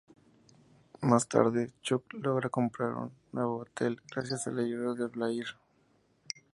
Más tarde, Chuck logra comprar un nuevo hotel, gracias a la ayuda de Blair.